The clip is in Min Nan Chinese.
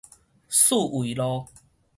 四維路